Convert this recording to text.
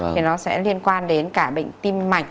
thì nó sẽ liên quan đến cả bệnh tim mạch